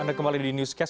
anda kembali di newscast